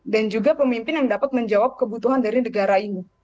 dan juga pemimpin yang dapat menjawab kebutuhan dari negara ini